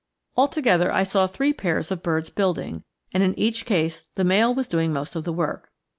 Altogether, I saw three pairs of birds building, and in each case the male was doing most of the work.